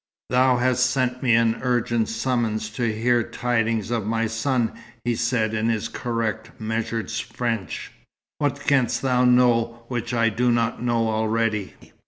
"Thou hast sent me an urgent summons to hear tidings of my son," he said in his correct, measured French. "What canst thou know, which I do not know already?"